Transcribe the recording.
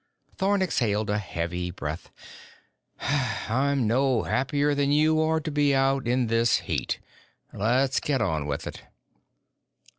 Thorn exhaled a heavy breath. "I'm no happier than you are to be out in this heat. Let's get on with it."